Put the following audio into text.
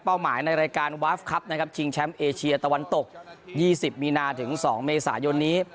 หมายในรายการวาฟครับนะครับชิงแชมป์เอเชียตะวันตก๒๐มีนาถึง๒เมษายนนี้